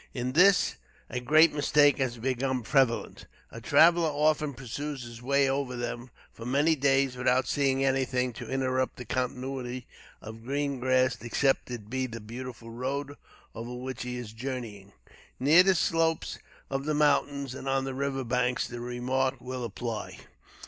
In this a great mistake has become prevalent. A traveler often pursues his way over them for many days without seeing anything to interrupt the continuity of green grass except it be the beautiful road over which he is journeying. Near the slopes of the mountains and on the river banks the remark will apply.